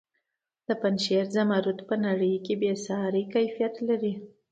د پنجشیر زمرد په نړۍ کې بې ساري کیفیت لري.